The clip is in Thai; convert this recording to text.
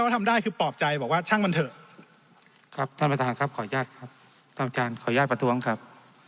ต้องการขออนุญาตประท้วงครับ